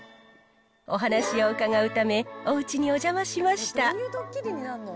お話を伺うため、おうちにお邪魔しました。